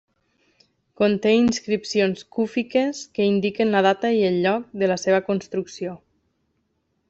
Conté inscripcions cúfiques que indiquen la data i el lloc de la seva construcció.